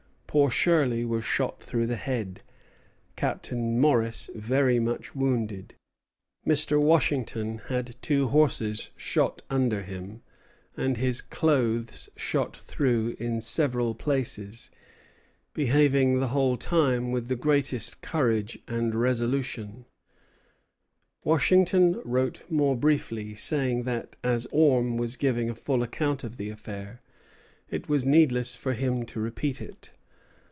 Poor Shirley was shot through the head, Captain Morris very much wounded. Mr. Washington had two horses shot under him, and his clothes shot through in several places; behaving the whole time with the greatest courage and resolution." Dinwiddie to Colonel Charles Carter, 18 July, 1755. Washington wrote more briefly, saying that, as Orme was giving a full account of the affair, it was needless for him to repeat it.